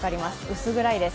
薄暗いです。